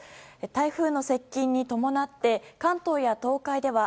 台風の接近に伴って関東や東海では